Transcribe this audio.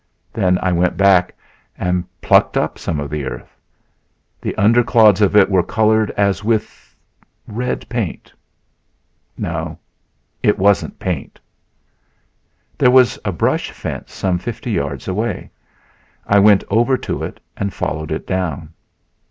Then I went back and plucked up some of the earth. The under clods of it were colored as with red paint...No, it wasn't paint. "There was a brush fence some fifty yards away. I went over to it and followed it down.